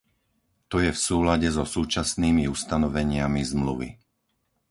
To je v súlade so súčasnými ustanoveniami Zmluvy.